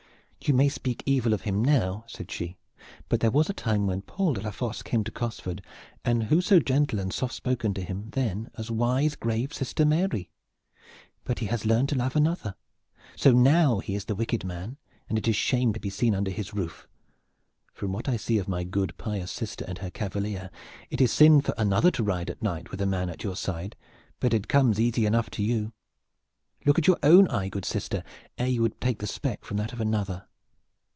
"You may speak evil of him now," said she, "but there was a time when Paul de la Fosse came to Cosford, and who so gentle and soft spoken to him then as wise, grave, sister Mary? But he has learned to love another; so now he is the wicked man, and it is shame to be seen under his roof! From what I see of my good pious sister and her cavalier it is sin for another to ride at night with a man at your side, but it comes easy enough to you. Look at your own eye, good sister, ere you would take the speck from that of another."